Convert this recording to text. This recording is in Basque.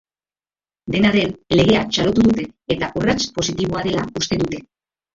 Dena den, legea txalotu dute eta urrats positiboa dela uste dute.